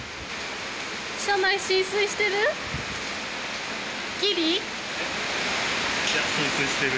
車内、浸水してる？